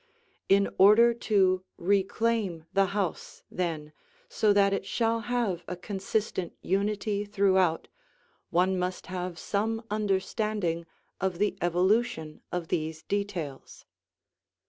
In order to reclaim the house, then, so that it shall have a consistent unity throughout, one must have some understanding of the evolution of these details.